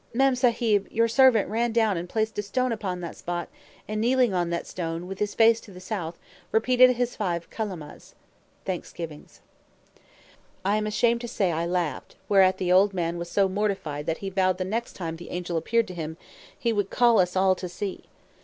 Mem Sahib, your servant ran down and placed a stone upon that spot, and kneeling on that stone, with his face to the south, repeated his five Kalemahs." [Footnote: Thanksgivings.] I am ashamed to say I laughed; whereat the old man was so mortified that he vowed the next time the angel appeared to him, he would call us all to see.